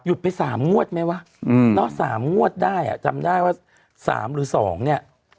ไป๓งวดไหมวะ๓งวดได้อ่ะจำได้ว่า๓หรือ๒เนี่ย